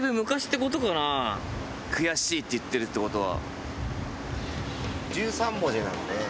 悔しいって言ってるってことは。